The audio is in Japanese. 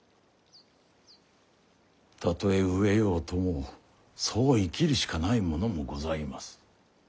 たとえ飢えようともそう生きるしかない者もございます。